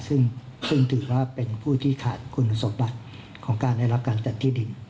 ซึ่งถือว่าเป็นผู้ที่ขาดคุณสมบัติของการได้รับการจัดที่ดิน